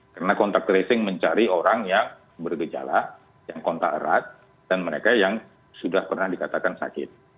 karena kontak tracing mencari orang yang bergejala yang kontak erat dan mereka yang sudah pernah dikatakan sakit